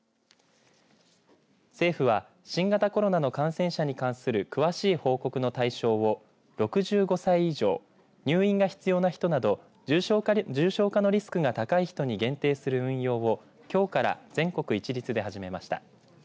政府は新型コロナの感染者に関する詳しい報告の対象を６５歳以上、入院が必要な人など重症化のリスクが高い人に限定する運用をきょうから全国一律で始めました。